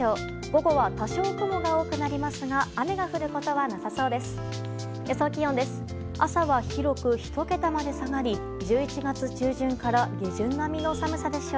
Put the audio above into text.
午後は多少、雲が多くなりますが雨が降ることはなさそうです。